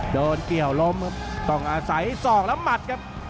โดนเกี่ยวล้มครับต้องอาศัย๒ลำมัดครับ